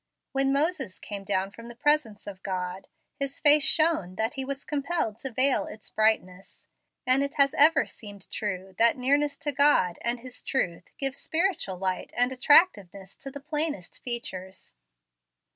When Moses came down from the presence of God, his face shone so that he was compelled to veil its brightness; and it has ever seemed true that nearness to God and His truth gives spiritual light and attractiveness to the plainest features.